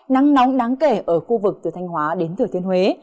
nắng nóng đáng kể ở khu vực từ thanh hóa đến thừa thiên huế